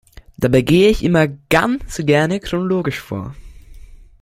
Dabei gehe ich immer ganz gerne chronologisch vor.